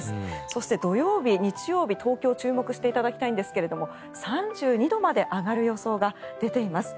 そして、土曜日、日曜日東京注目していただきたいんですが３２度まで上がる予想が出ています。